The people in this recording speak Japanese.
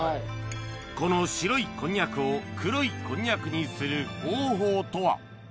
この白いこんにゃくを黒いこんにゃくにする方法とは？